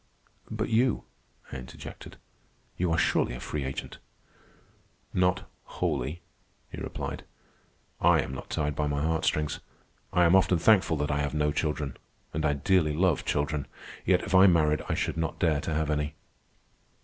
"But you," I interjected. "You are surely a free agent." "Not wholly," he replied. "I am not tied by my heartstrings. I am often thankful that I have no children, and I dearly love children. Yet if I married I should not dare to have any."